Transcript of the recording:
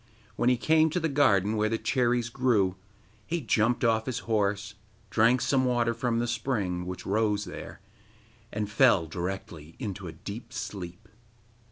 When he came to the garden where the cherries grew he jumped off his horse, drank some water from the spring, which rose there, and fell directly into a deep sleep.